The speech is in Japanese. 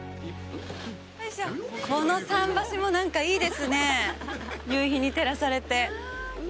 この桟橋も、なんかいいですね、夕日に照らされて。